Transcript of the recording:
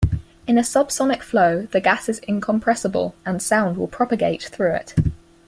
In a subsonic flow the gas is incompressible, and sound will propagate through it.